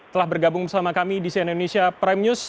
telah bergabung bersama kami di cnn indonesia prime news